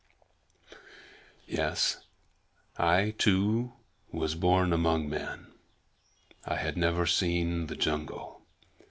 Yes, I too was born among men. I had never seen the jungle.